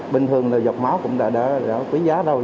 bình thường là giọt máu cũng đã quý giá rồi